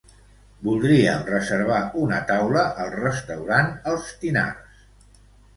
Voldríem reservar una taula al restaurant Els Tinars.